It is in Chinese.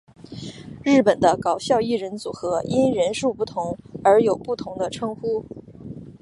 日本的搞笑艺人组合因人数不同而有不同的称呼。